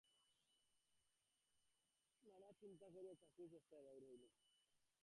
নানা চিন্তা করিয়া চাকরির চেষ্টায় বাহির হইল।